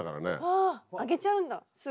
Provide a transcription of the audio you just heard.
ああげちゃうんだすぐ。